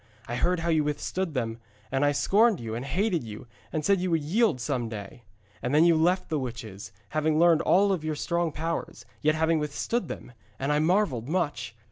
I heard how you withstood them, and I scorned you and hated you and said you would yield some day. And then you left the witches, having learned all their strong powers, yet having withstood them, and I marvelled much.